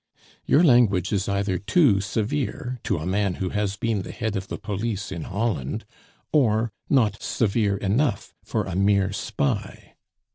"Your language is either too severe to a man who has been the head of the police in Holland, or not severe enough for a mere spy.